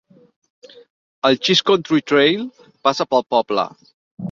El Cheese Country Trail passa pel poble.